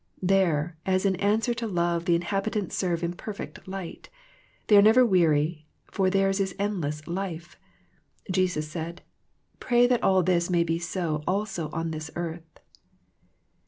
There as in answer to love the inhabitants serve in perfect light ; they are never weary for theirs is endless life. Jesus said, Pray that all this may be so also on this earth.